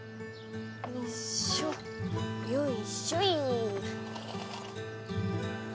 よいしょよいしょい。